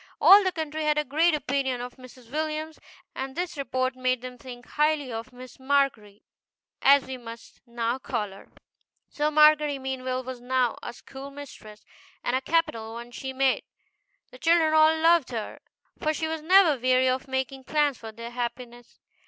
All the country had a great opinion of Mrs. Williams, and this report made them think highly of Miss MARGERY, as we must now call her. So Margery Meanwell was now a schoolmistress, and a capital one she made. The children all loved her, for she was never weary of making plans for their happiness.